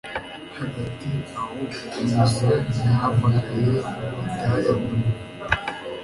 Hagati aho Innocent yahamagaye Hidaya nuko